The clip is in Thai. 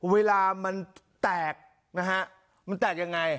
เวลามันแตกอย่างไร